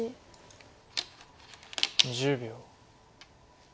１０秒。